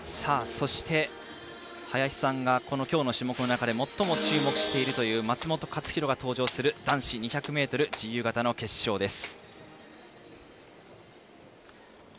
そして林さんが今日の種目の中で最も注目しているという松元克央が登場する男子２００ｍ自由形の決勝です。